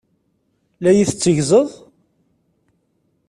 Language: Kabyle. La yi-tetteggzeḍ?